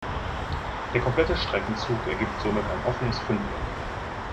Der komplette Streckenzug ergibt somit ein offenes Fünfeck.